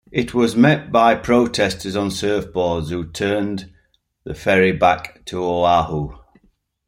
It was met by protesters on surfboards who turned the ferry back to Oahu.